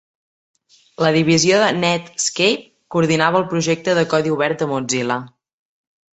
La divisió de Netscape coordinava el projecte de codi obert de Mozilla.